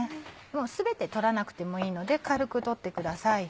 全て取らなくてもいいので軽く取ってください。